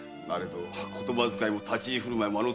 ど言葉遣いも立ち居振舞いもあの